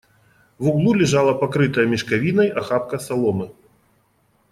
В углу лежала покрытая мешковиной охапка соломы.